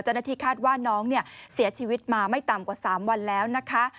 เจ้าหน้าที่คาดว่าน้องเนี่ยเสียชีวิตมาไม่ต่ำกว่า๓วันแล้วนะคะ